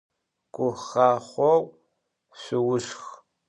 Guxaxhou şsoşşx!